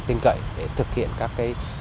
tính cậy để thực hiện các bản tin cảnh báo